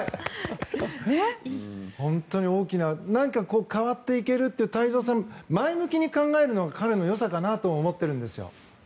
本当に大きな何か変わっていけるという太蔵さん、前向きに考えるのが彼のよさかなと思っているんですけど。